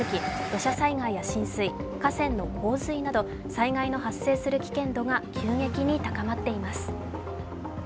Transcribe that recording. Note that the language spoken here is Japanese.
土砂災害や浸水、河川の洪水など災害の発生する危険度が急激に高まっています。